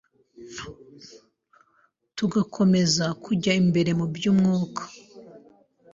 tugakomeza kujya mbere mubyu umwuka